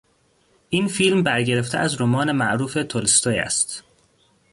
این فیلم برگرفته از رمان معروف تولستوی است.